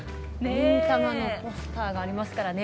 「忍たま」のポスターがありますからね。